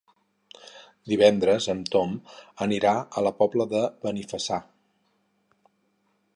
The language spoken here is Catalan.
Divendres en Ton anirà a la Pobla de Benifassà.